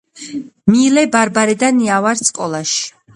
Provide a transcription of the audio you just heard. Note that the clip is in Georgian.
მილე ბარბარე და ნია ვართ სკოლაში